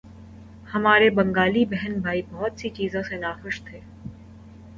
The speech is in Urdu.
ہمارے بنگالی بہن بھائی بہت سی چیزوں سے ناخوش تھے۔